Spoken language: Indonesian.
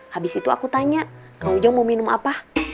habis itu aku tanya kang ujang mau minum apa